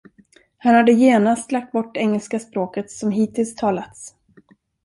Han hade genast lagt bort engelska språket som hittills talats.